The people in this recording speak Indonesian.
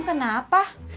ketemu rumahnya adam